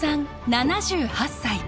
７８歳。